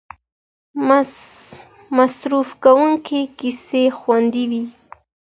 مصرف کوونکي کیسې خوښوي.